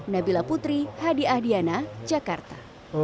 nabila putri hadi ahdiana jakarta